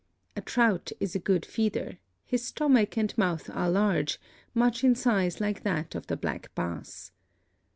A trout is a good feeder; his stomach and mouth are large, much in size like that of the black bass.